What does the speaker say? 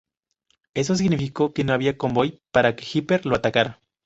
Eso significó que no había convoy para que Hipper lo atacara.